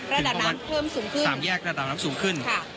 ระดับน้ำเพิ่มสูงขึ้นสามแยกระดับน้ำสูงขึ้นค่ะ